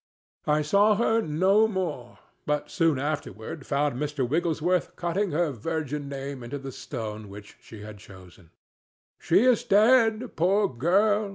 I saw her no more, but soon afterward found Mr. Wigglesworth cutting her virgin name into the stone which she had chosen. "She is dead, poor girl!"